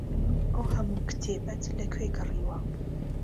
ئەو هەموو کتێبەت لەکوێ کڕیوە؟